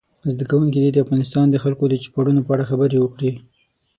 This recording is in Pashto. زده کوونکي دې د افغانستان د خلکو د چوپړونو په اړه خبرې وکړي.